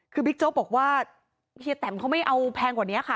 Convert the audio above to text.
คือบิ๊กโจ๊กบอกว่าเฮียแตมเขาไม่เอาแพงกว่านี้ค่ะ